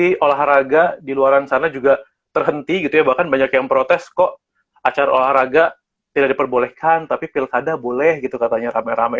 tapi olahraga di luar sana juga terhenti gitu ya bahkan banyak yang protes kok acara olahraga tidak diperbolehkan tapi pilkada boleh gitu katanya rame rame